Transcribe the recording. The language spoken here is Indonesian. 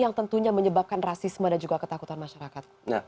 yang tentunya menyebabkan rasisme dan juga ketakutan masyarakat